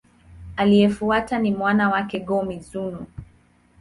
Aliyemfuata ni mwana wake, Go-Mizunoo.